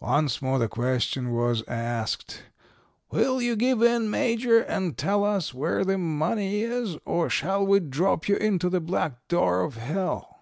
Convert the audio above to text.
"Once more the question was asked, 'Will you give in, Major, and tell us where the money is, or shall we drop you into the back door of hell?'